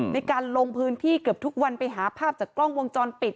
ในการลงพื้นที่เกือบทุกวันไปหาภาพจากกล้องวงจรปิด